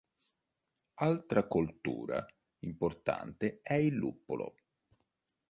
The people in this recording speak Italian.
Altra coltura importante è il luppolo.